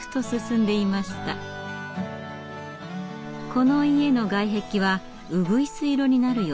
この家の外壁はうぐいす色になる予定。